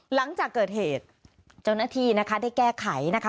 หลังจากเกิดเหตุเจ้าหน้าที่นะคะได้แก้ไขนะคะ